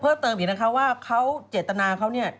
เพิ่มเติมดีนะคะว่าเขาเจตนาเขา